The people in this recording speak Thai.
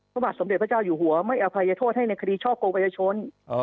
บรรสสมเด็จพระเจ้าอยู่หัวไม่เอาภัยโทษให้ในคดีช็อคงไปช้น